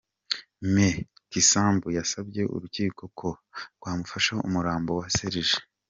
Me Kisambo yasabye urukiko ko rwamufasha, umurambo wa Serg.